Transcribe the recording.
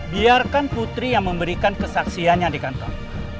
biarkan putri yang memberikan kesaksian yang di kantor